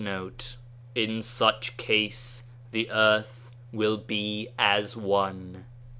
In such case the earth will be as one."